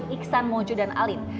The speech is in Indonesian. iksan mojo dan alin